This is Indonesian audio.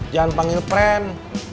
jangan panggil frank